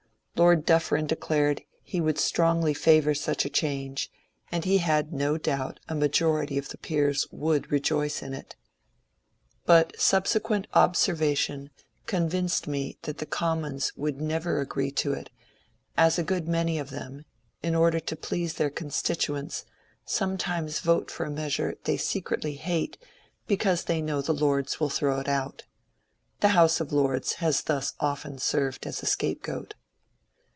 Lord Dufferin de clared he would strongly favour such a change, and he had no doubt a majority of the peers would rejoice in it. But subse 74 MONCURE DANIEL CONWAY qaent observation convinced me that the Commons would never agree to it, as a good many of them, in order to please their constituents, sometimes vote for a measure they secretly hate because they know the Lords will throw it oat. The House of Lords has thus often served as a scapegoat.